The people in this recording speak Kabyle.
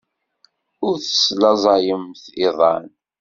Ur teslaẓayemt iḍan.